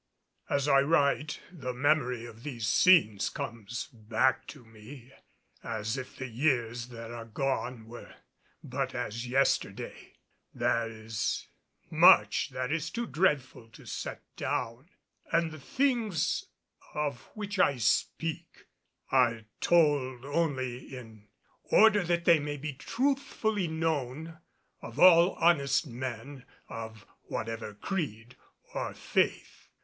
As I write, the memory of these scenes comes back to me as if the years that are gone were but as yesterday. There is much that is too dreadful to set down and the things of which I speak are told only in order that they may be truthfully known of all honest men of whatever creed or faith.